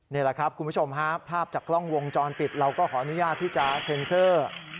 นี่แหละครับคุณผู้ชมฮะภาพจากกล้องวงจรปิดเราก็ขออนุญาตที่จะเซ็นเซอร์